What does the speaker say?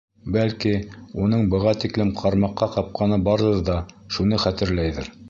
Бәлки, уның быға тиклем ҡармаҡҡа ҡапҡаны барҙыр ҙа шуны хәтерләйҙер.